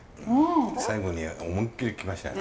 最後に思いっきり来ましたね。